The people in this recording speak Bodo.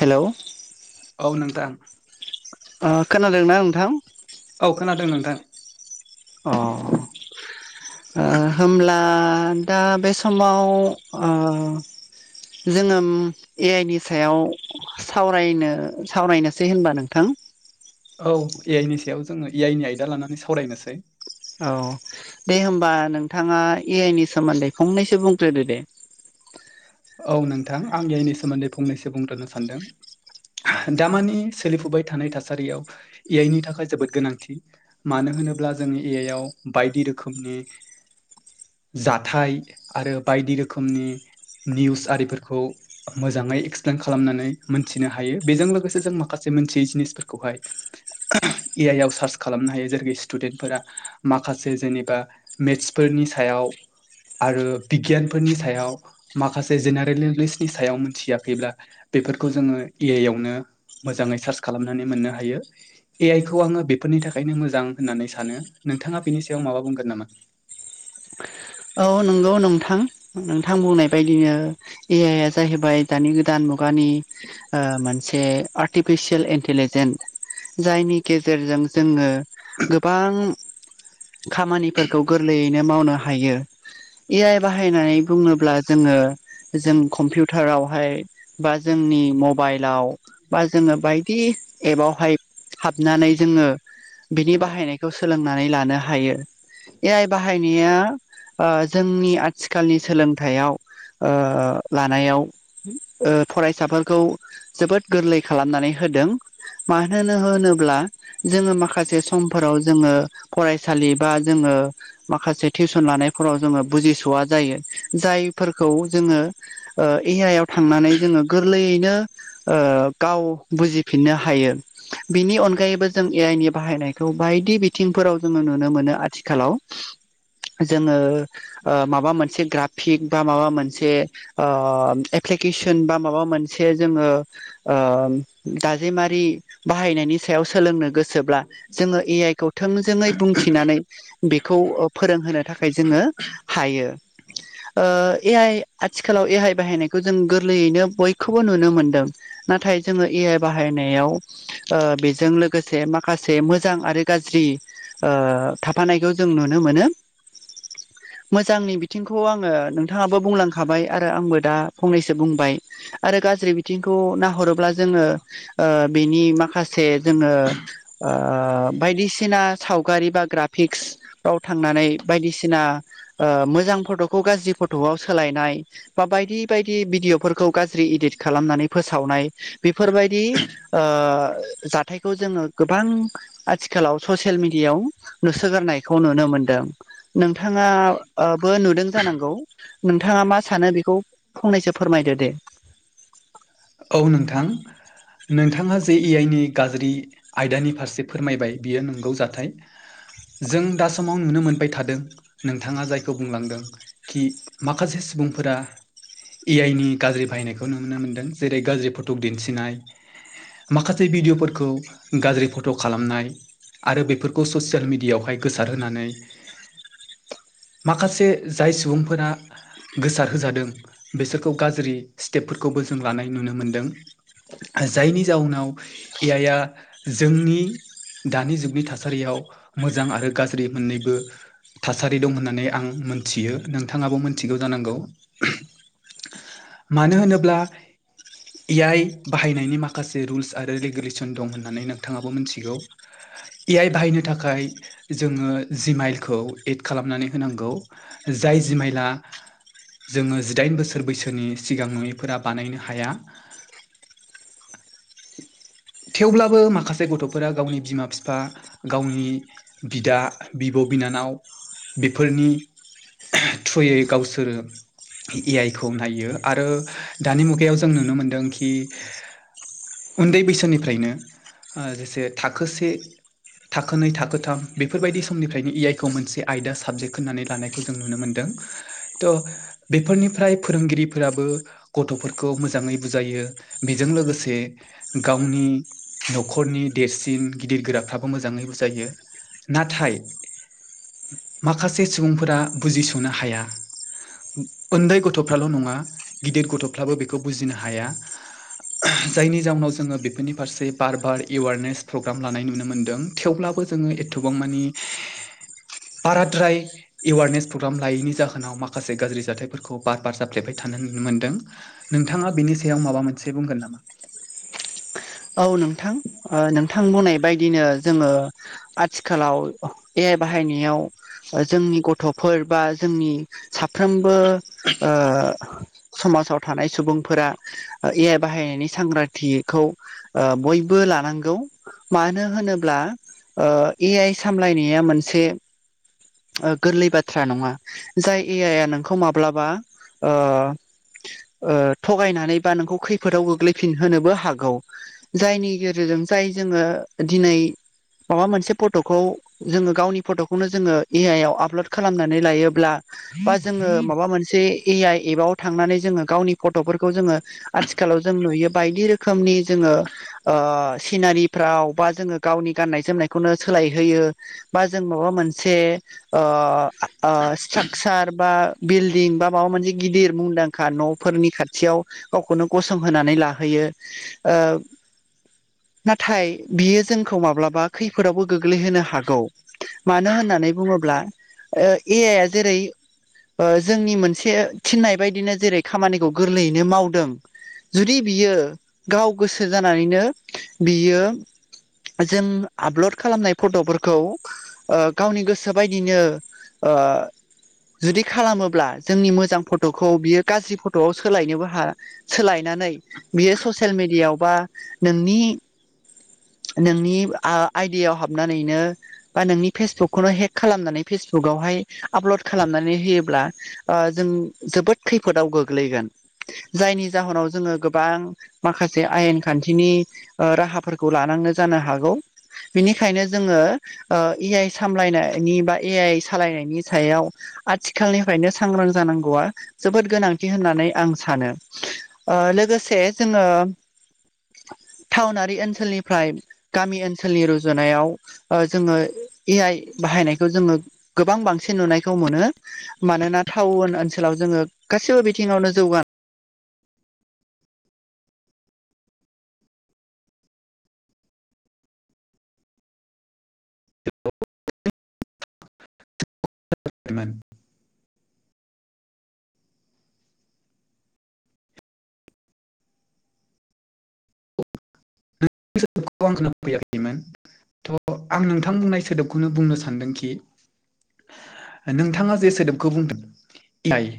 हेलौ औ नोंथां। आ खोनादोंना नोंथां? औ खोनादों नोंथां। अ ओ होमब्ला दा बे समाव ओ जोङो ए आइ नि सायाव नो सावरायनोसै होनबा नोंथां। औ ए आइ नि सायाव जोङो ए आइ नि आयदा लानानै सावरायनोसै। औ दे होमबा नोंथाङा ए आइ नि सोमोन्दै फंनैसो बुंग्रोदो दे। औ नोंथां आं ए आइनि सोमोन्दै फंनैसो बुंग्रोनो सानदों। दामानि सोलिफुबाय थानाय थासारियाव ए आइनि थाखाय जोबोद गोनांथि। मानो होनोब्ला जोंनि ए आइआव बायदि रोखोमनि जाथाय आरो बायदि रोखोमनि निउस आरिफोरखौ मोजाङै एक्सप्लेन खालामनानै मोनथिनो हायो बेजों लोगोसे जों माखासे मोनथियै जिनिसफोर फोर खौहाय ए आइ आव सार्च खालामनो हायो जेरैखि स्टुडेन्टफोरा माखासे जेनिबा मेट्सफोरनि सायाव आरो बिगियानफोरनि सायाव माखासे जेनेरेल नलेजनि सायाव मोनथियाखैब्ला बेफोरखौ जोङो ए आइ आवनो मोजाङै सार्च खालामनानै मोननो हायो। ए आइ खौ आङो बेफोरनि थाखायनो मोजां होननानै सानो नोंथाङा बेनि सायाव माबा बुंगोन नामा? औ नंगौ नोंथां नोंथां बुंनाय बायदिनो ए आइया जाहैबाय दानि गोदान मुगानि मोनसे आर्टिफिसियेल इन्टिलिजेन्स जायनि गेजेरजों जोङो गोबां खामानिफोरखौ गोरलैयैनो मावनो हायो। ए आइ बाहायनाय बुङोब्ला जोङो ओ जों कम्पिउटारावहाय बा जोंनि मबाइलावो बा जोङो बायदि एपावहाय हाबनानै जोङो बिनि बाहायनायखौ सोलोंनानै लानो हायो ए आइ बाहायनायो जोंनि आथिखालनि सोलोंथाइयाव लानायाव फरायसाफोरखौ जोबोद गोरलै खालामनानै होदोंओ। मा-मानो होनोब्ला जोङो माखासे समफोराव जोङो फरायसालि बा जोङो माखासे टिउस सन लानायफोराव जोङो बुजिस'वा जायो जायफोरखौ जोङो ए आइ आव थांनानै जोङो गोरलैयैनो गाव बुजिफिननो हायो। बिनि अनगायैबो जों ए आइ नि बाहायनायखौ बायदि बिथिंफोराव जोङो नुनो मोनो आथिखालावो जोङो माबा मोनसे ग्राफिक बा माबा मोनसेओ ओ एप्लिकेसन बा माबा मोनसे जोङो ओ दाजेमारि बाहायनायनि सायाव सोलोंनो गोसो ओ‌ जेब्ला जोंङो ए आइ खौ थोंजोङै बुंथिनानै बेखौ फोरोंहोनो थाखाय जोंङो हायो। ए आइ आथिखालाव ए आाय बाहायनायखौ जों गोरलैयैनो बयखौबो नुनो मोनदोंओ। नाथाय जोंङो ए आइ बाहायनायावो बेजों लोगोसे माखासे मोजां आरो गाज्रियै थाफानायखौ जों नुनो मोनो। मोजांनि बिथिंखौ आंङो नोंथांङाबो बुंलांखाबाय आरो आंबो दायो फंनैसो बुंबाय आरो गाज्रि बिथिंखौ नाहरोब्ला जोंङो ओ बेनि माखासे जोंङो बायदिसिना सावगारि बा ग्राफिक्सफ्राव थांनानै बायदिसिना मोजां फट'खौ गाज्रि फट'आव सोलायनाया बा बायदि बायदि भिदिअफोरखौ गाज्रि इदित खालामनानै फोसावनायो। बेफोरबायदि जायो हथायखौ जोंङो गोबां आथिखालाव ससियेल मिडियाायाव नुसोगोरनायखौ नुनो मोनदों नोंथांङा बो नुदोंना। जानांगौ नोंथांङा मा सानो बेखौ फंनैसो फोरमायदो दे ओ। औ नोंथां नोंथांङा जे ए आइ नि गाज्रिआ आयदानि फारसे फोरमायबाय बियो नंगौ जाथाया जों दा समाव नुनो मोनबाय थादों नोंथांङा जायखौ बुंलांदों कि माखासे सुबुंफोरा ए आइ नि गाज्रि बाहायनायखौ नुनो मोन्दों। जेरै गाज्रि फट' दिन्थिनायो माखासे भिडिअ'फोरखौ गाज्रि फट' खालामनाया आरो बेफोरखौ ससियेल मिडियावाहाय गोसारहोनानैनो माखासे जाय सुबुंफोराबो गोसार होजादों बेसोरखौ गाज्रि स्टेपफोरखौबो जों लानाय नुनो मोन्दों। जायनि जाउनाव एइ आइआ जोंनि दानि जुगनि थासारियाव मोजां आरो गाज्रि मोननैबो। थासारि दं होननानै आं मिथियो नोंथांङाबो मोनथिगौ जानांगौ। मानो होनोब्ला इ आइ बाहायनायनि माखासे रुल्स आरो रेगुलेसन दं होननानै नोंथांङाबो मिथिगौ। ए आइ बाहायनो थाखाय जोंङो जि माइलखौ एड खालामनानै होनांगौ ओ। जाय जिमायला जोंङो जिदाइन बोसोर बैसोनि सिगां नङिफोरा बानायनो हायो। हाया [inaudible] थेवब्लाबो माखासे गथ'फोरा गावनि बिमा-बिफा गावनि बिदा बिब' बिनानाव बेफोरनि थ्रुयै गावसोरो ए आइ खौ नायो आरो दानि मुगायाव जों नुनो मोनदोंखि उन्दै बैसोनिफ्रायनो जेसे थाखोसे थाखोनै थाखोथाम बेफोरबायदि समनिफ्रायनो इ आइ खौ मोनसे आयदा साबजेक्ट होननानै लानाय जों नुनो मोनदों त बेफोरनिफ्राय फोरोंगिरिफोराबो गथ'फोर खौ मोजांङै बुजायो बेजों लोगोसे गावनि न'खरनि देरसिन गिदिर गोराफ्राबो मोजांङै बुजायो नाथाय माखासे सुबुंफोरा बुजिस'नो हाया उन्दै गथ'फ्राल' नंङा गिदिर गथ'फ्राबो बेखौ बुजिनो हाया जायनि जाउनाव जोंङो बेफोरनि फारसे बार बार एवारनेस प्रग्राम लानाय नुनो मोनदों थेवब्लाबो जोंङो एथबां माने बाराद्राय एवारनेस प्रग्राम लायैनि जाहोनाव माखासे गाज्रि जाथायफोरखौ बार बार जाफ्लेबाय थानो नुनो मोनदों नोंथांङा बेनि सायाव माबा मोनसे बुंगोन नामा औ नोंथां ओ नोंथां बुंनाय बायदिनो जोंङो आथिखालाव ए आइ बाहायनायाव जोंनि गथ'फोर बा जोंनि साफ्रोमबो ओ समाजाव थानाय सुबुंफोरा ए आइ बाहायनायनि सांग्रांथिखौ बयबो लानांगौ मानो होनोब्ला ओ ए आइ सामलायनाया मोनसे ओ गोरलै बाथ्रा नङा जाय ए आय आ नोंखौ माब्लाबा ओ ओ थगायनानै बा नोंखौ खैफोदाव गोग्लैफिनहोनोबो हागौ जायनि गेजेरजों जाय जोङो दिनै माबा मोनसे फट'खौ जोङो गावनि फट'खौनो जोङो ए आइ आव आपलड खालामनानै लायोब्ला बा जोङो माबा मोनसे ए आइ एबाव थांनानै जोङो गावनि फट'फोरखौ जोङो आथिखालाव जों नुयो बायदि रोखोमनि जोङो ओ सिनारिफ्राव बा जोङो गावनि गाननाय जोमनायखौनो सोलायहोयो बा जों माबा मोनसे ओ ओ स्ट्राकचार बा बिल्डिं बा माबा मोनसे गिदिर मुंदांखा न'फोरनि खाथियाव गावखौनो गसंहोनानै लाहोयो ओ नाथाय बियो जोंखौ माब्लाबा खैफोदावबो गोग्लैहोनो हागौ मानो होननानै बुङोब्ला ओ ए आइ आ जेरै ओ जोंनि मोनसे थिननाय बायदिनो जेरै खामानिखौ गोरलैयैनो मावदों जुदि बियो गाव गोसो जानानैनो बियो जों आपल'ड खालामनाय फट'फोरखौ ओ गावनि गोसो बायदिनो ओ जुदि खालामोब्ला जोंनि मोजां फट'खौ बियो गाज्रि फट'आव सोलायनोबो हा सोलायनानै बियो ससियेल मिडियायाव बा नोंनि नोंनि आ आयदियाव हाबनानैनो बा नोंनि फेसबुकखौनो हेक खालामनानै फेसबुकावहाय आपलड खालामनानै होयोब्ला ओ जों जोबोद खैफोदाव गोग्लैगोन जायनि जाहोनाव जोङो गोबां माखासे आयेन खान्थिनि राहाफोरखौ लानांनो जानो हागौ बिनिखायनो जोङो ओ ए आइ सामलायनायनि बा ए आइ सालायनायनि सायाव आथिखालनिफ्रायनो सांग्रां जानांगौआ जोबोद गोनांथि होननानै आं सानो ओ लोगोसे जोङो टाउनारि ओनसोलनिफ्राय गामि ओनसोलनि रुजुनायाव ओ जोङो ए आइ बाहायनायखौ जोङो गोबां बांसिन नुनायखौ मोनो मानोना टाउन ओनसोलाव जोङो गासैबो बिथिङावनो जौगानाय [unintelligible] बेखौ आं खोना फैयाखैमोन [unintelligible] थ' आं नोंथां बुंनाय सोदोबखौनो बुंनो सानदोंखि [unintelligible] नोंथाङा जे सोदोबखौ बुंदों जाय